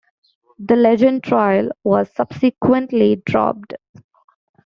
The "Legend" trial was subsequently dropped.